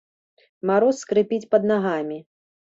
Мароз скрыпіць пад нагамі.